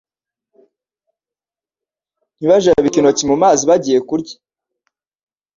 ntibajabike intoke mu mazi bagiye kurya ?»